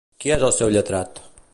Qui és el seu lletrat?